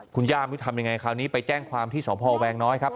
คุณย่าไม่รู้ทำยังไงคราวนี้ไปแจ้งความที่สพแวงน้อยครับ